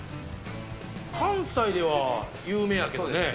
関西では有名やけどね。